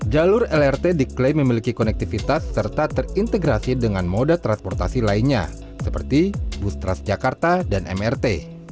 jalur lrt diklaim memiliki konektivitas serta terintegrasi dengan moda transportasi lainnya seperti bus transjakarta dan mrt